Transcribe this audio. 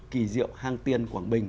kỳ diệu hang tiên quảng bình